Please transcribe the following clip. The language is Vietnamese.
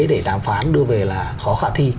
để đàm phán đưa về là khó khả thi